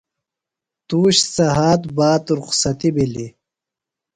تُوش سھات باد رخصتیۡ بِھلیۡ۔